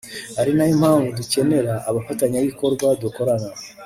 ari nayo mpamvu dukenera abafatanyabikorwa dukorana